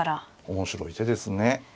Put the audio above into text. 面白い手ですね。